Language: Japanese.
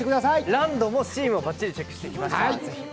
ランドもシーもばっちりチェックしてきました。